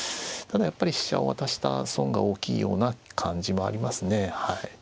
ただやっぱり飛車を渡した損が大きいような感じもありますねはい。